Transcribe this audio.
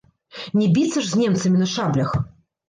Не біцца ж з немцам на шаблях.